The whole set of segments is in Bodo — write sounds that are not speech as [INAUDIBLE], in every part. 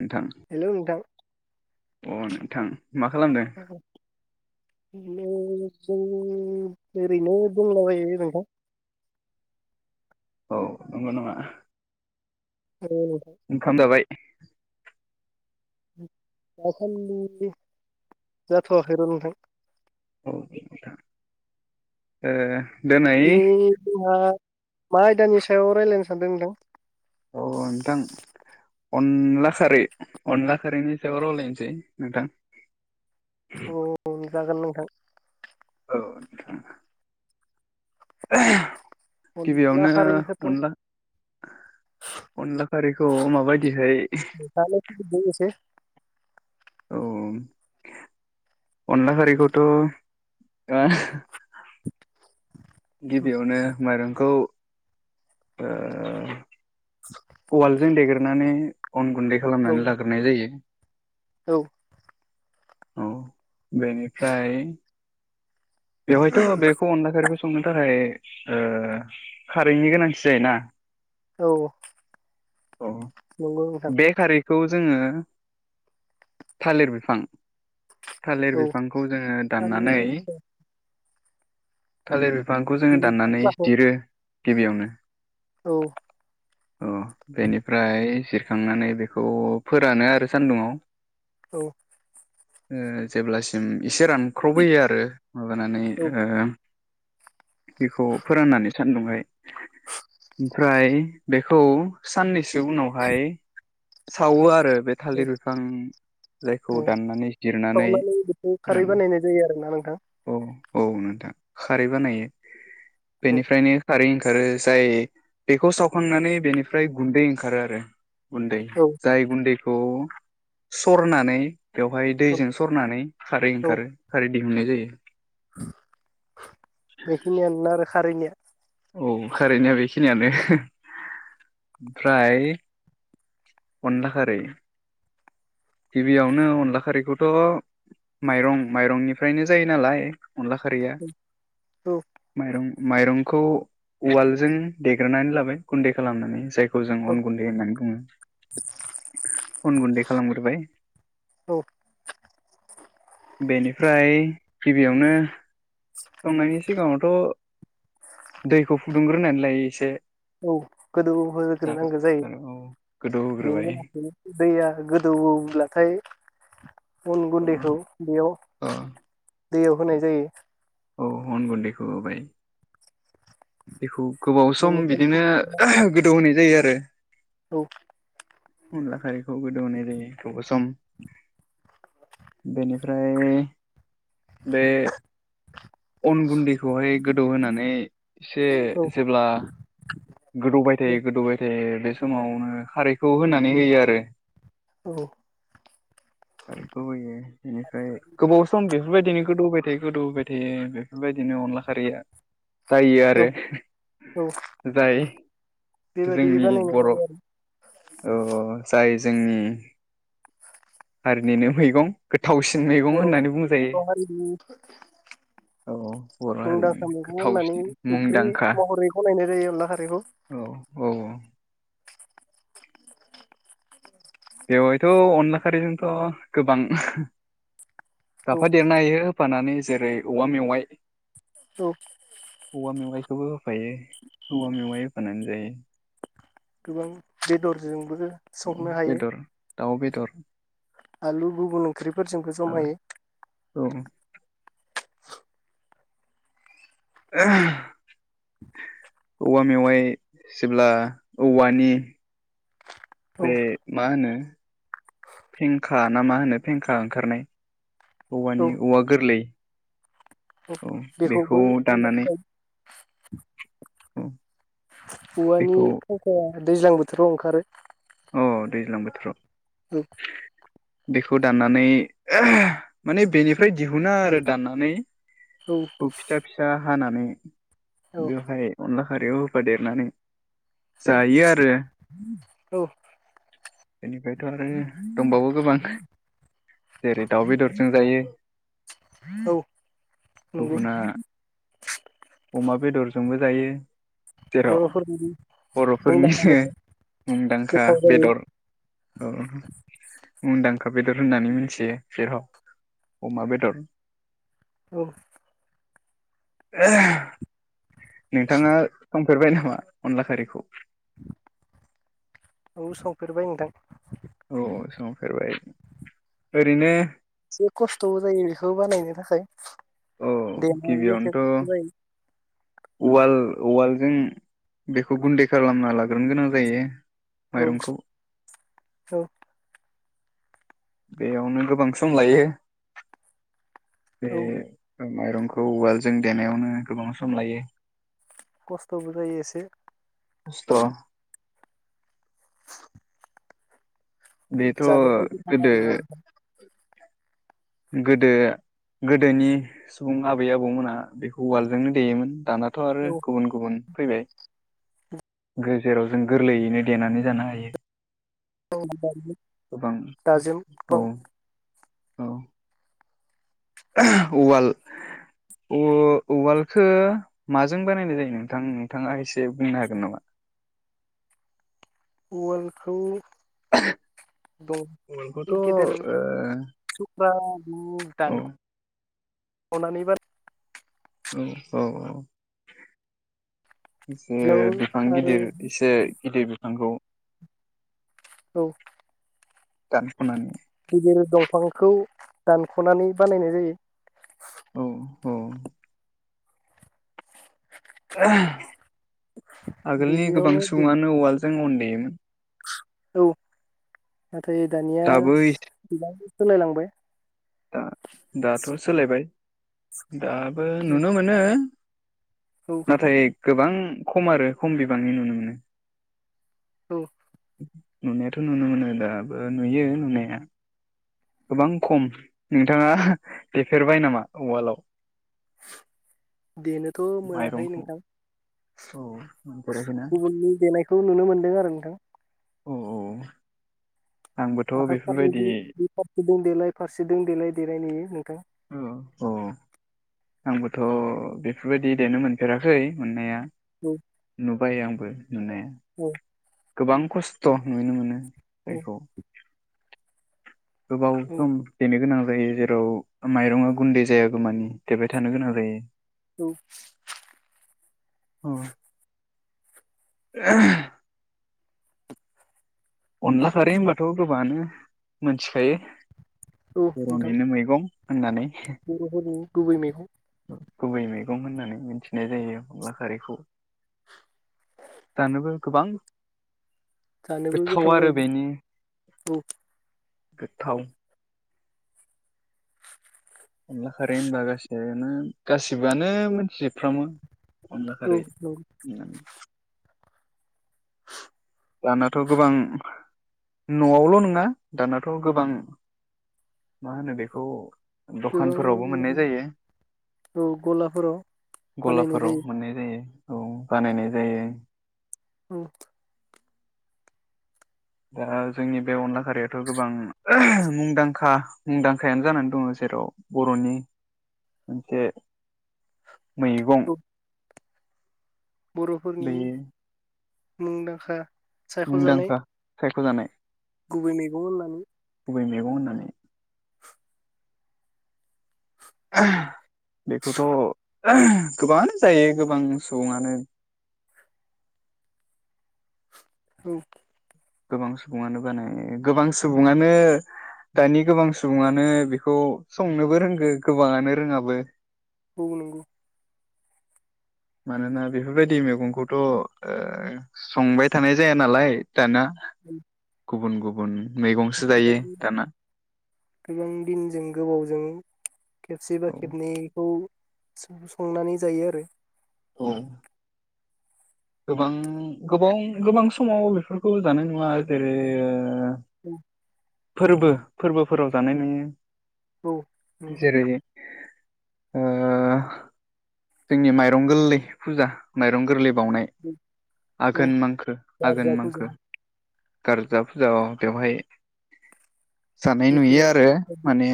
नोंथां हेल' नोंथां अ नोंथां मा खालामदों [UNINTELLIGIBLE] जों ओरैनो दंलाबायो नोंथां औ नंगौ नामा औ ओंखाम जाबाय [UNINTELLIGIBLE] जाथ'आखै र नोंथां औ दिनै जोंहा मा आयदानि सायाव रायज्लायनो सानदों नोंथां औ नोंथां अनला खारै अनला खारैनि सायाव रायलायनोसै नोंथां औ जागोन नोंथां औ [INAUDIBLE] अनला गिबियावनो खारैखौथ' अनला अनला खारिखौ माबायदिहाय जानो लुबैदों एसे औ अनला खारैखौथ' गिबियावनो माइरंखौ ओ उवालजों देगोरनानै गुन्दै औ खालामनानै लाग्रोनाय जायो औ औ बेनिफ्राय बेवहायथ' बेखौ अनला खारैखौ संनो थाखाय ओ खारैनि गोनांथि जायोना औ अ नंगौ नोंथां बेखारैख खौ जोङो थालिर बिफां थालिर औ बिफांखौ जोङो दाननानै थालिर थालिर बिफांखौ जोङो बिनि दाननानै फस्लाखौ जिरो गिबियावनो औ अ बेनिफ्राय ज खांनानै बेखौ फोरानो आरो सान्दुङाव औ ओ जेब्लासिम एसे रानख्र'बहोयो आरो माबानानै औ ओ बेखौ फोराननानै सानन्दुंहाय ओमफ्राय बेखौ साननैसो उनावहाय सावो आरो बे औ थालिर बिफां जायखौ औ दाननानै जिरनानै सावनानै बेखौ खारै रा बानायनाय जायो आरोना नोंथां औ औ नोंथां खारै बानायो औ बेनिफ्रायनो खारै ओं ओंखारो जाय बेखौ सावखांनानै बेनिफ्राय गुन्दै ओंखारो आरो गुन्दै औ जाय गुन्दै खौ सरनानै बेवहाय औ दैजों सरनानै खारै औ ओंखारो खारै होनु जै [UNINTELLIGIBLE] बेखिनियानो आरो खारैनिया औ खारैनाया बेखि नियानो ओमफ्राय अनला खारै गिबियावनो अनला खारैखौथ' माइरं माइरंनिफ्रायनो जायो नालाय अनला खारैया औ माइरं माइरंखौ उवालजों देग्रोनानै लाबाय गुन्दै खालामनानै जाय खौ जों औ अन गुन्दै होननानै बुङो अन गुन्दै खालाम ग्रोबाय औ बेनिफ्राय गिबियावनो संनायनि सिगाङावथ' दैखौ फुदुंग्रोनानै लायो एसे औ गोदौ जारो होग्रोनांगौ जायो जारो औ गोदौ बेनि होग्रोबाय उनाव दैया गोदौ औ अब्लाथाय उन अ गुन्दैखौ बेयाव अ दैयाव होनाय जायो औ अन गुन्दैखौ होबाय बेखौ गोबाव सम बेनिफ्राय बिदिनो गोदौ होनाय जायो आरो औ अनला खारैखौ गोदौ होनाय जायो गोबाव सम बेनि ओमफ्राय बे अन गुन्दैखौहाय गोदौहोनानै एसे औ जेब्ला गोदौबाय औ थायो गोदौबाय थायो बे बे समावनो खारैखौ होनानै होयो आरो औ खारैखौ होयो बेनिफ्राय गोबाव सम बेफोरबायदिनो गोदौबाय बे गोदौहोबाय थायो बेफोरबायदिनो अनला खारैया जायो औ आरो औ जाय बेबायदि जोंनि बानायनाय बर' ओ ओ जायो आरो जाय जोंनि हारिनिनो मैगं गोथावसिन मैगं बर' होननानै बुंजायो बर' हारिनि औ बर' हारिनि मुंदांखा मैगं होननानै गोथावसिन ओंख्रि मुंदांखा महरै गनायनाय जायो अनला खारैखौ औ औ औ बेवहायथ' अनला खारिजोंथ' गोबां औ जाफा देरनो हायो फानानै जेरै औवा मेवाइ औ औवा मेवाइखौबो होफायो औवा मेवाइ होनानै जायो गोबां बेदरजोंबो औ सबनो हायो बेदर दाउ बेदर आलु गुबुन ओंख्रिफोरजोंबो आरो जमायै औ औवा मेवाइ जेब्ला औवानि बे औ मा होनो फेंखा ना मा होनो फेंखा ओंखारनाय औ औवानि औवा गोरलै औ बेखौबो बेखौ दाननानै [INAUDIBLE] औ औवानि बेखौ फखया दैज्लां बोथोराव ओंखारो अ दैज्लां बोथोराव ओ बेखौ दाननानै माने बेनिफ्राय दिहुनो आरो दाननानै औ अ फिथा फिसा हानानै बेवहाय अनला ओरैयाव होफा देरनानै औ बेनिफ्रायथ' आरो दंबावो गोबां जेरै दाउ बेदरजों जायो औ औ नंगौ गुबुना अमा बेदरजोंबो जायो जेराव बर'फोरनि मुंदांखा बर'फोरनिनो मेथाइ मुंदांखा गोथाव जायो बेदर ओ मुंदांखा बेदर होननानै मिथियो जेराव अमा बेदर औ [INAUDIBLE] नोंथाङा खां फेरबाय नामा अनला खारिखौ औ संफेरबाय नोंथां औ संफेरबाय ओरैनो एसे खस्थ' जायो बेखौ बानायनो थाखाय औ देनायनि एसे गिबियावनोथ' खस्थ' जायो उवाल उवालजों बेखौ गुन्दै खालामना लाग्रोनो गोनां जायो औ माइरंखौ औ बेयावनो गोबां सम लायो बे औ माइरंखौ उवालजों देनायावनो गोबां सम लायो खस्थ'बो जायो एसे खस्थ' बेथ' जानो बायदि गोदो आरोना गोदो गोदोनि सुबुं आबै आबौमोना बेखौ उवालजोंनो देयोमोन दानाथ' आरो औ गुबुन गुबुन फैबाय गेजेराव जों गोरलैयैनो देनानै जानो हायो गोबां औ [UNINTELLIGIBLE] औ उवाल ओ उवालखौ माजों बानायनाय जायो नोंथां नोंथाङा एसे बुंनो हागोन नामा उवालखौ उवालखौथ' दंफांनि ओ गिदिर थुख्रा औ दान खनानै [UNINTELLIGIBLE] औ औ औ एसे बेयाव बिफां आरो गिदिर एसे गिदिर बिफां नंगौ औ दानख'नानै बिदिनो दं फांखौ दानख'नानै बानायनाय जायो औ औ [INAUDIBLE] आगोलनि गोबां बेयावनो सुबङानो उवाल जों अन देयोमोन औ नाथाय दानिया दाबो गोबां सोलायलांबाय दा दाथ' सोलायबाय दाबो नुनो मोनो औ नाथाय गोबां खम आरो खम बिबांनि नुनो मोनो औ नुनायाथ' नुनो मोनो दाबो नुयो नुनाया गोबां खम नोंथाङा देफेरबाय नामा उवालाव देनोथ' मोनाखै माइरंखौ नोंथां औ मोनफेराखैना गुबुननि देनायखौ नुनो मोन दों आरो नोंथां औ औ आंबोथ' आखाइ फारनै बेफोरबायदि जों देलाय आखाइ फारसेजोंं देलाय देनाय नुयो नोंथां औ औ आंबोथ' बेफोरबायदि देनो मोनफेराखै मोननाया औ नुबाय आंखौ नुनाया औ गोबां खस्थ' नुनो मोनो औ बेखौ गोबाव सम देनो गोनां जायो जेराव माइरंआ गुन्दै जायागौ मानि देरबाय थानो गोनां जायो औ औ [INAUDIBLE] अनला खारै होनबाथ' गोबाङानो मोनथिखायो औ नोंथां बर'निनो मैगं होननानै बर'फोरनि गुबै मैगं गुबै मैगं होननानै मिथिनाय जायो अनला खारिखौ जानोबो गोबां जानोबो गोथाव आरो बेनि जायो औ गोथाव अनला खारै होनबा गाससिनो गासिबो आनो मोनथिजोबफ्रामो अनला औ खारै नंगौ दानाथ' गोबां न'आवल' नङा दानाथ' गोबां मा होनो बेखौ दखानफोरावबो मोननाय गोबां जायो औ गलाफोराव बानायनाय गलाफोराव जायो मोननाय जायो औ बानायनाय जायो उम दा जोंनि बे अनला खारियाथ' गोबां मुंदांखा मुंदांखायानो जानानै दङ जेराव बर'नि मोनसे मैगं औ बर'फोरनि बेयो मुंदांखा सायख'जानाय मुंदांखा साय ख'जानाय गुबै मैगं होननानै गुबै मैगं होननानै बेखौथ' गोबाङानो जायो गोबां सुबुङानो औ गोबां सुबुङानो बानाय गोबां सुबुङानो दानि गोबां सुबुङानो बेखौ संनोबो रोंगो गोबाङानो रोङाबो औ नंगौ मानोना बेफोरबायदि मैगंखौथ' ओ संबाय थानाय जाया नालाय दाना उम गुबुन गुबुन मैगंसो जायो गोबां दाना गोबां दिनजों गोबावजों खेबसे बा औ खेबनैखौ संनानै जायो आरो उम गोबां गोबां गोबां समाव बेफोरखौ जानाय नुवा जेरै औ फोरबो फोरबोफोराव जानाय नुयो औ जेरै ओ जोंनि माइरं गोरलै फुजा माइरं गोरलै बावनाय औ आघोन मांखो आघोन गारजाखौ मांखो जाया गारजा फुजा अ बेवहाय जानाय बेफोरो नुयो आरो माने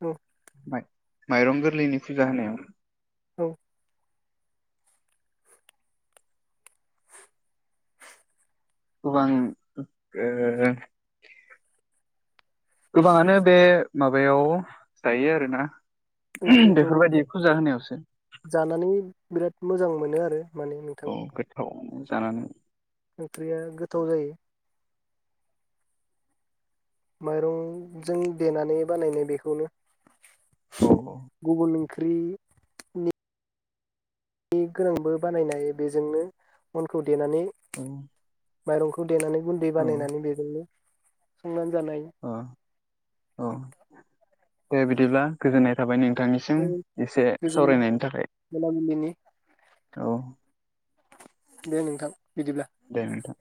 औ माइरं गोरलैनि फुजा होनायाव औ गोबां गोबाङानो बे माबायाव जायो आरोना ओंख्रिखौ बेफोरबायदि फुजा होनायावसो जानानै बिराद मोजां मोनो आरो माने नोंथां औ गोथावानो जानानै ओंख्रिया गोथाव जायो माइरंजों देनानै बानायनाय बेखौनो औ गुगुनि ओंख्रि बे गोनांबो बानायनाय बेजोंनो अनखौ देनानै औ माइरंखौ देनानै गुन्दै औ बानायनानै बेजोंनो संनानै जानाय औ औ दे बिदिब्ला गोजोननाय थाबाय नोंथां नोंथांनिसिम एसे गोजोन सावरायनायनि थाखाय मोनाबिलिनि औ दे नोंथां बिदिब्ला दे नोंथां